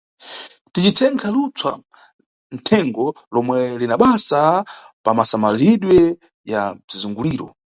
Ticichenkha lupsa nʼthengo lomwe linabasa pamasamaliridwe ya bzizunguliro.